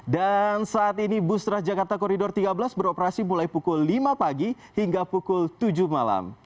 dan saat ini bustra jakarta koridor tiga belas beroperasi mulai pukul lima pagi hingga pukul tujuh malam